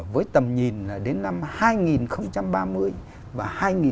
với tầm nhìn là đến năm hai nghìn ba mươi và hai nghìn bốn mươi năm